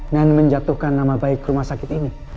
dan menjatuhkan nama baik rumah sakit ini